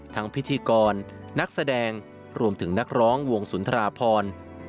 พิธีกรนักแสดงรวมถึงนักร้องวงสุนทราพร